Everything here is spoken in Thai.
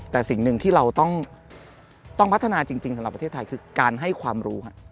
แต่สิ่งหนึ่งที่เราต้องพัฒนาจริงสำหรับประเทศไทยคือการให้ความรู้